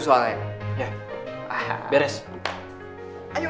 oh iya bener lah